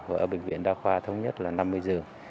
và ở bệnh viện đa khoa thống nhất là năm mươi giường